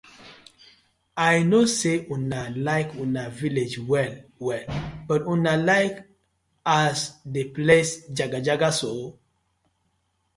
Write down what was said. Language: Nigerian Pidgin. I no say una like una villag well well but una like as di place jagajaga so?